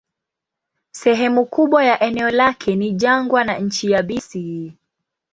Sehemu kubwa ya eneo lake ni jangwa na nchi yabisi.